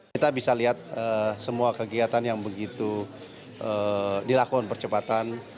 kita bisa lihat semua kegiatan yang begitu dilakukan percepatan